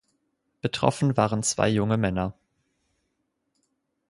Betroffen waren zwei junge Männer.